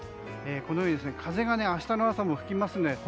このように風が明日の朝も吹きますね。